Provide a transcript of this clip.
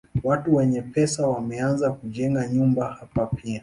Watu wenye pesa wameanza kujenga nyumba hapa pia.